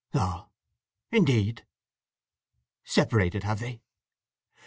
"Ah—indeed? … Separated, have they!"